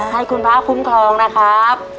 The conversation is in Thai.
ให้คุณพระคุ้มครองนะครับ